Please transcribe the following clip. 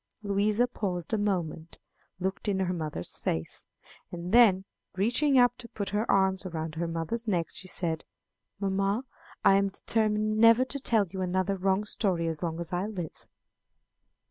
Louisa paused a moment, looked in her mother's face, and then, reaching up to put her arms around her mother's neck, she said, "Mamma, I am determined never to tell you another wrong story as long as I live."